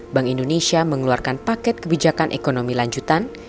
bank indonesia mengeluarkan paket kebijakan ekonomi lanjutan